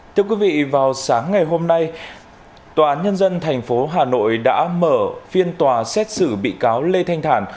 thưa quý vị vào sáng ngày hôm nay tòa án nhân dân tp hà nội đã mở phiên tòa xét xử bị cáo lê thanh thản